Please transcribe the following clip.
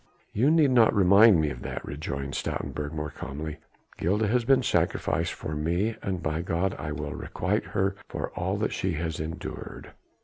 "You need not remind me of that," rejoined Stoutenburg more calmly. "Gilda has been sacrificed for me and by God I will requite her for all that she has endured!